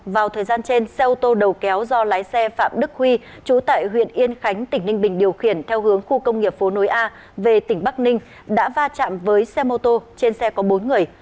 vào thời gian trên xe ô tô đầu kéo do lái xe phạm đức huy chú tại huyện yên khánh tỉnh ninh bình điều khiển theo hướng khu công nghiệp phố nối a về tỉnh bắc ninh đã va chạm với xe mô tô trên xe có bốn người